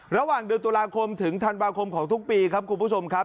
ระหว่างเดือนตุลาคมถึงธันวาคมของทุกปีครับคุณผู้ชมครับ